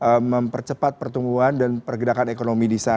untuk mempercepat pertumbuhan dan pergerakan ekonomi di sana